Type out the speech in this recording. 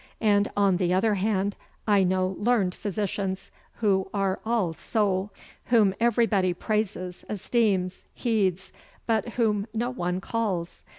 And, on the other hand, I know learned physicians who are all soul, whom everybody praises, esteems, heeds, but whom no one calls.